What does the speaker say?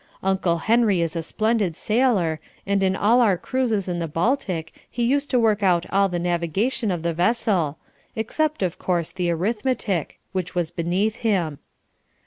Uncle Henry is a splendid sailor, and in all our cruises in the Baltic he used to work out all the navigation of the vessel, except, of course, the arithmetic which was beneath him.